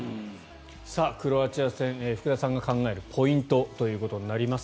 さあ、クロアチア戦福田さんが考えるポイントとなります。